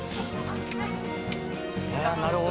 なるほど。